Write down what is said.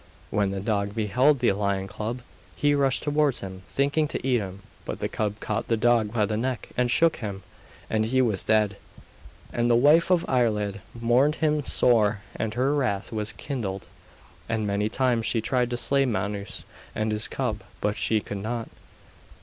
When the dog beheld the lion cub he rushed towards him, thinking to eat him; but the cub caught the dog by the neck, and shook him, and he was dead. And the wife of Iarlaid mourned him sore, and her wrath was kindled, and many times she tried to slay Manus and his cub, but she could not.